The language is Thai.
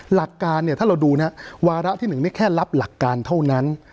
หลักการเนี่ยถ้าเราดูนะวาระที่๑นี่แค่รับหลักการเท่านั้น